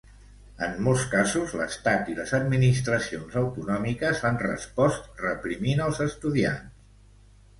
En molts casos, l'estat i les administracions autonòmiques han respost reprimint els estudiants.